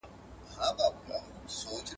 انلاين زده کړه د ځان مسؤليت لوړوي.